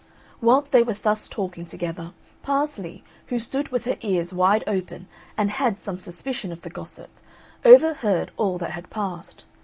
Whilst they were thus talking together, Parsley, who stood with her ears wide open and had some suspicion of the gossip, overheard all that had passed.